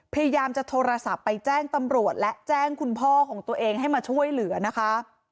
พยายามจะโทรศัพท์ไปแจ้งตำรวจและแจ้งคุณพ่อของตัวเองให้มาช่วยเหลือนะคะ